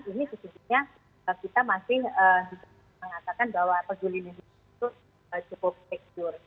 ini sejujurnya kita masih bisa mengatakan bahwa peduli lindungi itu cukup tekstur